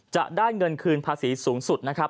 จะได้เงินคืนภาษีสูงสุดนะครับ